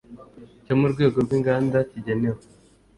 cyo mu rwego rw inganda kigenewe